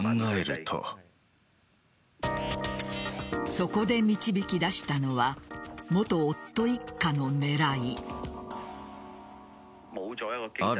そこで導き出したのは元夫一家の狙い。